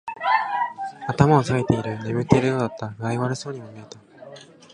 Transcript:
頭を下げている。眠っているようだった。具合が悪そうにも見えた。